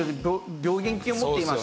病原菌を持っています。